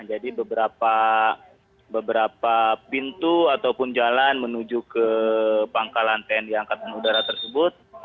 jadi beberapa pintu ataupun jalan menuju ke pangkalan tni angkatan udara tersebut